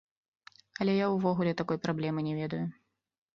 Але я ўвогуле такой праблемы не ведаю.